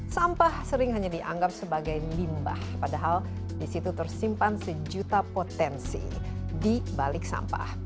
sampah sering hanya dianggap sebagai limbah padahal di situ tersimpan sejuta potensi di balik sampah